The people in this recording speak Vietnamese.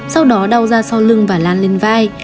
sau đó đau ra sau lưng và lan lên vai